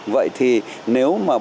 vậy thì nếu mà bỏ